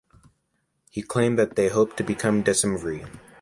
He claimed that they hoped to become decemviri.